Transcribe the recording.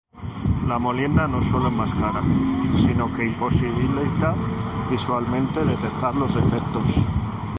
La molienda no solo enmascara, sino que imposibilita visualmente detectar los defectos.